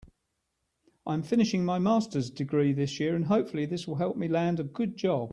I'm finishing my masters degree this year and hopefully this will help me land a good job.